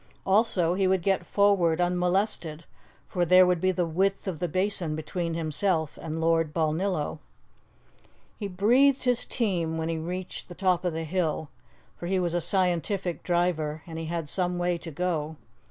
Also, he would get forward unmolested, for there would be the width of the Basin between himself and Lord Balnillo. He breathed his team when he reached the top of the hill; for he was a scientific driver, and he had some way to go.